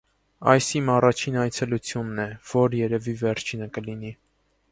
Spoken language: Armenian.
- Այս իմ առաջին այցելությունն է, որ երևի և վերջինը կլինի: